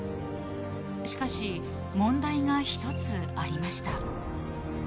しかし、問題が一つありました。